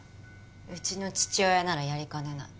うちの父親ならやりかねない。